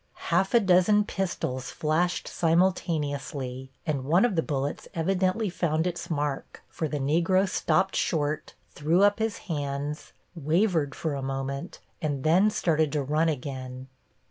Half a dozen pistols flashed simultaneously, and one of the bullets evidently found its mark, for the Negro stopped short, threw up his hands, wavered for a moment, and then started to run again.